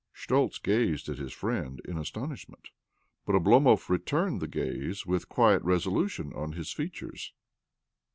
Schtoltz gazed at his friend in astonish ment, but Oblomov returned the gaze with quiet resolution on his features.